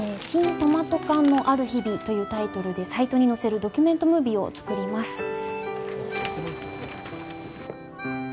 「新トマト缶のある日々」というタイトルでサイトに載せるドキュメントムービーを作ります